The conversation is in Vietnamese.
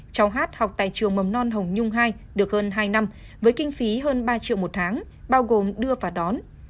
cháu hát học tại trường mầm non hồng nhung hai được hơn hai năm với kinh phí hơn ba triệu một tháng bao gồm đưa và đón